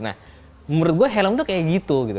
nah menurut gue helm tuh kayak gitu gitu